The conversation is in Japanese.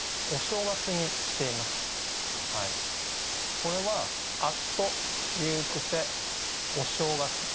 これは「あつと言ふ癖お正月」。